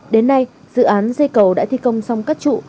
đến nay dự án dây cầu đã thi công xong các trụ